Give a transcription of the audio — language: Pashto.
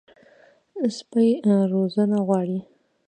سپي روزنه غواړي.